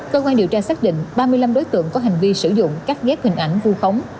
cơ quan điều tra xác định ba mươi năm đối tượng có hành vi sử dụng cắt ghép hình ảnh vu khống